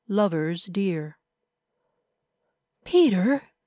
LOVERS DEAR. "Peter!"